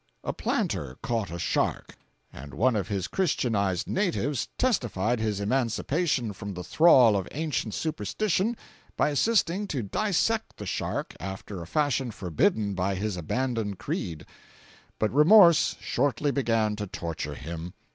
A planter caught a shark, and one of his christianized natives testified his emancipation from the thrall of ancient superstition by assisting to dissect the shark after a fashion forbidden by his abandoned creed. But remorse shortly began to torture him.